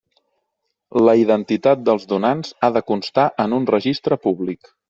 La identitat dels donants ha de constar en un registre públic.